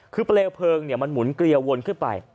คือเปลวเพลิงมันหมุนเกลียวนขึ้นไป